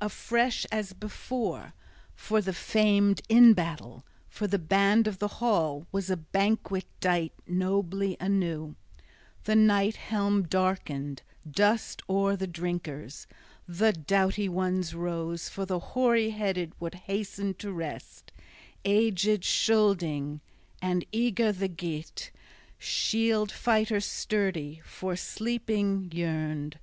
Afresh, as before, for the famed in battle, for the band of the hall, was a banquet dight nobly anew. The Night Helm darkened dusk o'er the drinkers. The doughty ones rose: for the hoary headed would hasten to rest, aged Scylding; and eager the Geat, shield fighter sturdy, for sleeping yearned.